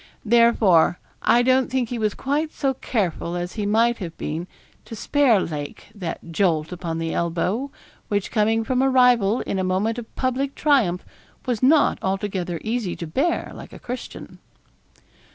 Therefore, I don't think he was quite so careful as he might have been to spare Lake that jolt upon the elbow, which coming from a rival in a moment of public triumph was not altogether easy to bear like a Christian.